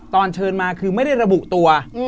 ตอนเชิญมาคือไม่ได้ระบุตัว